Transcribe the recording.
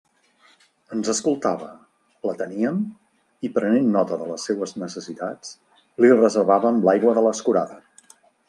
Ens escoltava, l'ateníem, i prenent nota de les seues necessitats, li reservàvem l'aigua de l'escurada.